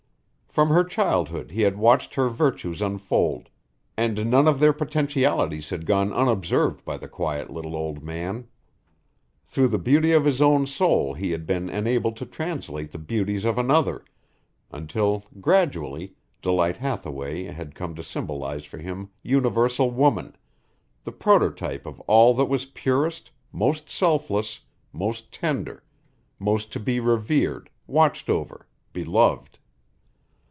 From her childhood he had watched her virtues unfold and none of their potentialities had gone unobserved by the quiet little old man. Through the beauty of his own soul he had been enabled to translate the beauties of another, until gradually Delight Hathaway had come to symbolize for him universal woman, the prototype of all that was purest, most selfless, most tender; most to be revered, watched over, beloved.